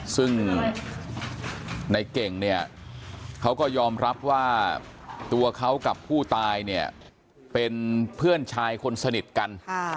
ซึ่งในเก่งเนี่ยเขาก็ยอมรับว่าตัวเขากับผู้ตายเนี่ยเป็นเพื่อนชายคนสนิทกัน